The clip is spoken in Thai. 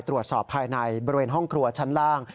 ตรวจสอบภายในบริเวณห้องครัวชั้นล่าง